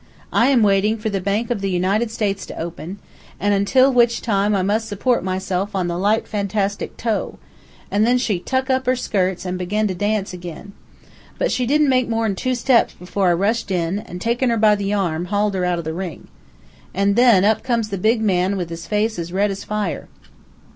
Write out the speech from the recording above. I am waiting for the Bank of the United States to open, an' until which time I must support myself on the light fantastic toe,' an' then she tuk up her skirts, an' begun to dance ag'in. But she didn't make mor'n two skips before I rushed in, an' takin' her by the arm hauled her out o' the ring. An' then up comes the big man with his face as red as fire.